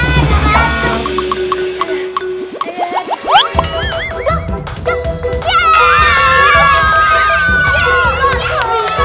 bagaimana ini ustaznya anak anak belum juga pada nyampe